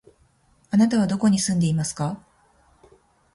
あなたはどこに住んでいますか？